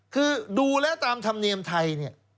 คือดูแล้วตามธรรมเนียมไทย